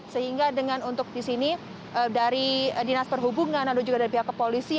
sehingga dengan untuk di sini dari dinas perhubungan lalu juga dari pihak kepolisian